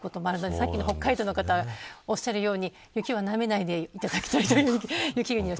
さっきの北海道の方がおっしゃるように雪をなめないでいただきたいと思います。